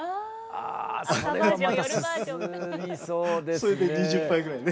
それで２０杯ぐらいね。